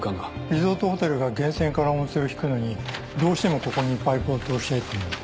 リゾートホテルが源泉から温泉を引くのにどうしてもここにパイプを通したいと言うので。